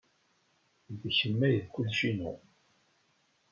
D kemm ay d kullec-inu.